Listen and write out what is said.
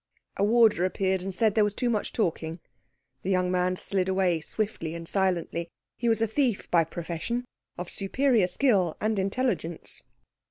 A warder appeared and said there was too much talking. The young man slid away swiftly and silently. He was a thief by profession, of superior skill and intelligence.